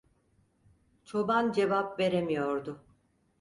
Çoban cevap veremiyordu.